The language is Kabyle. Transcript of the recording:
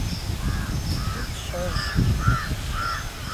Ur tesɛuẓẓeg.